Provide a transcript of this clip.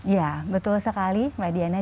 ya betul sekali mbak diana